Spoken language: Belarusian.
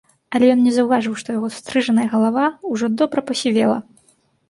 Але ён не заўважаў, што яго стрыжаная галава ўжо добра пасівела.